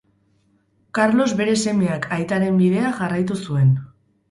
Karlos bere semeak aitaren bidea jarraitu zuen.